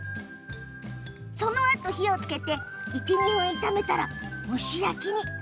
そのあと火をつけて１、２分炒めたら蒸し焼きに。